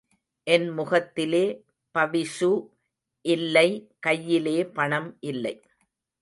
என் முகத்திலே பவிஷு இல்லை கையிலே பணம் இல்லை.